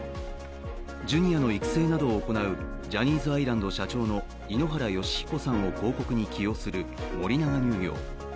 Ｊｒ．の育成などを行うジャニーズアイランド社長の井ノ原快彦さんを広告に起用する森永乳業。